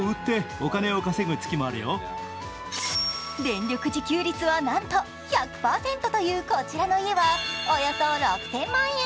電力自給率はなんと１００％というこちらの家は、およそ６０００万円。